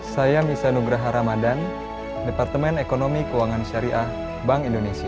saya misa nugraha ramadan departemen ekonomi keuangan syariah bank indonesia